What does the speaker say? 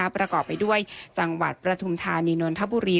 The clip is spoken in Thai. ประกอบไปด้วยจังหวัดประธุมธานีนนทบุรี